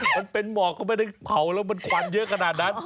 มันเป็นหมอกก็ไม่ได้เผาแล้วมันควันเยอะขนาดนั้น